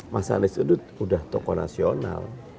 mas anies itu sudah tokoh nasional